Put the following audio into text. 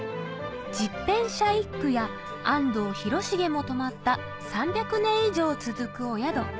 十返舎一九や安藤広重も泊まった３００年以上続くお宿